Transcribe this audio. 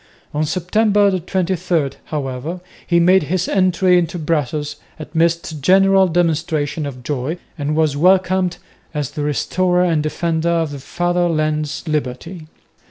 On September 23, however, he made his entry into Brussels amidst general demonstrations of joy and was welcomed as "the Restorer and Defender of the Father land's liberty."